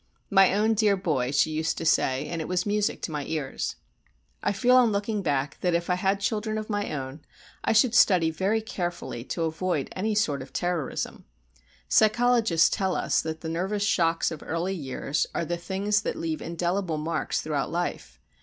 "My own dear boy," she used to say, and it was music in my ears. I feel on looking back that, if I had children of my own, I should study very carefully to avoid any sort of terrorism. Psychologists tell us that the nervous shocks of early years are the things that leave indelible marks throughout life.